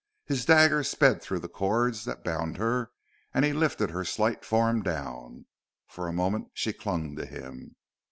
His dagger sped through the cords that bound her, and he lifted her slight form down. For a moment she clung to him.